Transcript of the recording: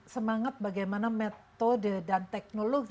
semangat bagaimana metode dan teknologi